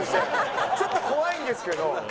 ちょっと怖いんですけど。